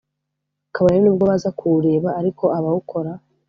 kabone n’ubwo baza kuwureba ariko abawukora